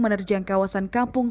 menerjang kawasan kampung